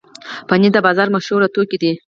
پنېر د بازار مشهوره توکي دي.